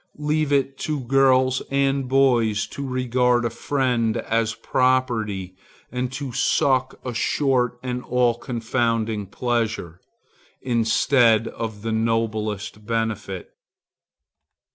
Leave it to girls and boys to regard a friend as property, and to suck a short and all confounding pleasure, instead of the noblest benefit.